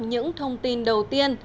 những thông tin đầu tiên